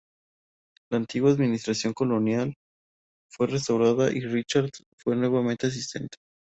La antigua administración colonial fue restaurada, y Richards fue nuevamente asistente.